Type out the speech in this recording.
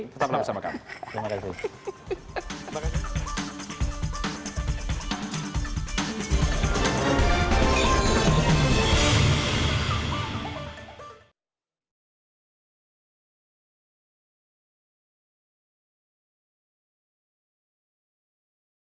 tetap nampak bersama kami